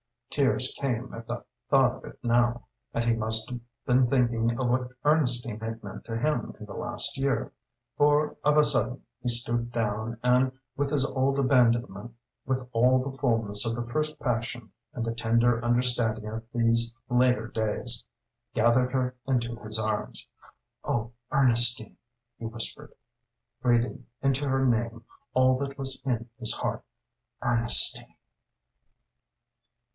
Tears came at the thought of it now. And he must have been thinking of what Ernestine had meant to him in the last year, for of a sudden he stooped down and with his old abandonment, with all the fullness of the first passion and the tender understanding of these later days, gathered her into his arms. "Oh, Ernestine," he whispered breathing into her name all that was in his heart "_Ernestine!